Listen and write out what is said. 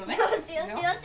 よしよし